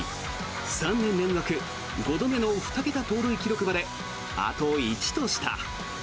３年連続５度目の２桁盗塁記録まであと１とした。